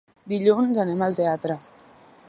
Dilluns anem al teatre.